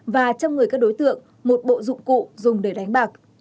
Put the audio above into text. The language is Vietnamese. và trong người các đối tượng một bộ dụng cụ dùng để đánh bạc